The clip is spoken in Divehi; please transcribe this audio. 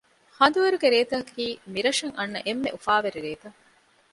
ހަނދުވަރުގެ ރޭތަކަކީ މިރަށަށް އަންނަ އެންމެ އުފާވެރި ރޭތައް